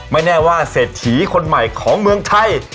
แน่ว่าเศรษฐีคนใหม่ของเมืองไทย